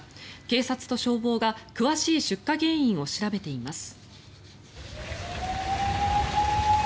警察と消防が詳しい出火原因を調べています。